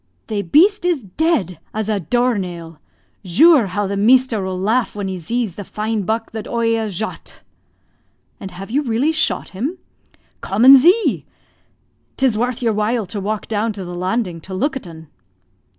"Thae beast iz dead az a door nail. Zure, how the measter will laugh when he zees the fine buck that oie a'zhot." "And have you really shot him?" "Come and zee! 'Tis worth your while to walk down to the landing to look at 'un."